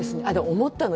思ったの。